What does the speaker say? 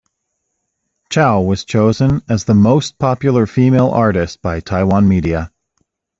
Chow was chosen as the "Most Popular Female Artist" by Taiwan media.